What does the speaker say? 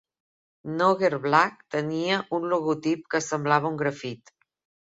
Nogger Black tenia un logotip que semblava un grafit.